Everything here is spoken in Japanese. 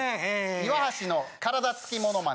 岩橋の体つきモノマネ